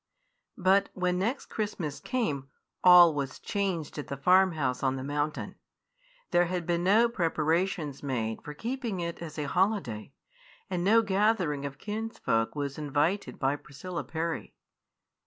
But when the next Christmas came all was changed at the farm house on the mountain. There had been no preparations made for keeping it as a holiday, and no gathering of kinsfolk was invited by Priscilla Parry.